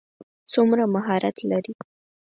څومره مهارت لري.